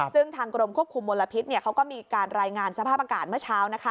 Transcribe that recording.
ซึ่งทางกรมควบคุมมลพิษเขาก็มีการรายงานสภาพอากาศเมื่อเช้า